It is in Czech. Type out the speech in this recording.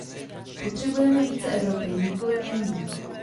Potřebujeme více Evropy, nikoli méně.